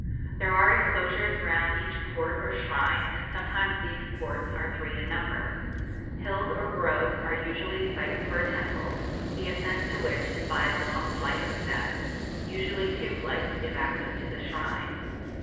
There are enclosures round each court or shrine, and sometimes these courts are three in number. Hills or groves are usually sites for a temple, the ascent to which is by a long flight of steps; usually two flights give access to the shrine.